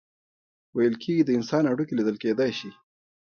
ویل کیږي د انسان هډوکي لیدل کیدی شي.